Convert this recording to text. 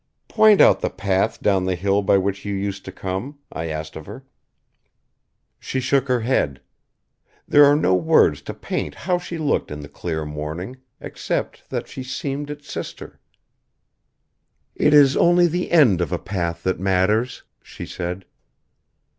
"Point out the path down the hill by which you used to come," I asked of her. She shook her head. There are no words to paint how she looked in the clear morning, except that she seemed its sister. "It is only the end of a path that matters," she said.